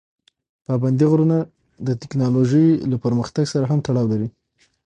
پابندي غرونه د تکنالوژۍ له پرمختګ سره هم تړاو لري.